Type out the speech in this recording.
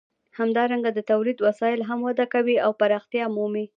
همدارنګه د تولید وسایل هم وده کوي او پراختیا مومي.